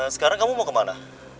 sekarang kamu mau kemana